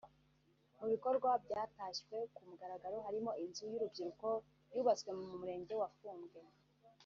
Mu bikorwa byatashywe ku mugaragaro harimo inzu y’urubyiruko yubatswe mu Murenge wa Fumbwe